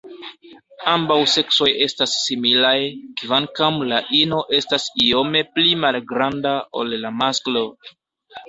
Ambaŭ seksoj estas similaj, kvankam la ino estas iome pli malgranda ol la masklo.